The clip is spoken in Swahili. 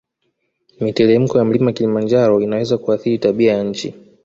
Mitelemko ya mlima kilimanjaro inaweza kuathiri tabia ya nchi